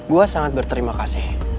gue sangat berterima kasih